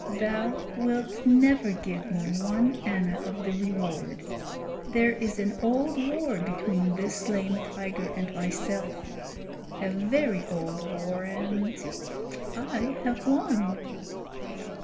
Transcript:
Thou wilt never give me one anna of the reward. There is an old war between this lame tiger and myself a very old war, and I have won."